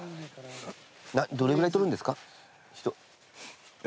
どれぐらい取るんですか？